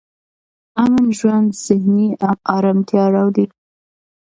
امن ژوند ذهني ارامتیا راولي.